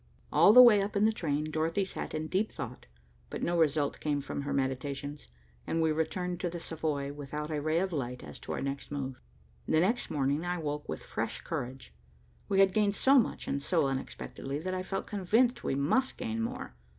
All the way up in the train, Dorothy sat in deep thought, but no result came from her meditations, and we returned to the Savoy without a ray of light as to our next move. The next morning I woke with fresh courage. We had gained so much and so unexpectedly, that I felt convinced we must gain more.